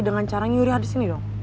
dengan cara nyuriah di sini dong